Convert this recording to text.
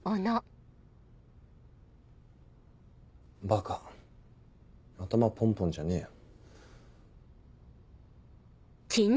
ばか頭ポンポンじゃねえよ。